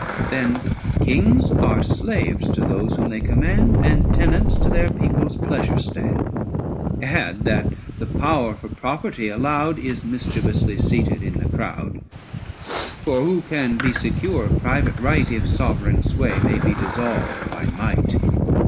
Then kings are slaves to those whom they command 775 And tenants to their people's pleasure stand. Add that the power, for property allowed, Is mischievously seated in the crowd; For who can be secure of private right, If sovereign sway may be dissolved by might?